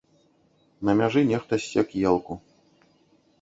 На мяжы нехта ссек елку.